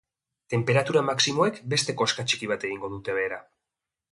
Tenperatura maximoak beste koska txiki bat egingo dute behera.